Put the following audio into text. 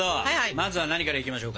まずは何からいきましょうか？